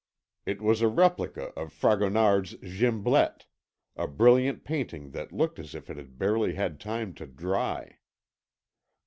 It was a replica of Fragonard's Gimblette, a brilliant painting that looked as if it had barely had time to dry.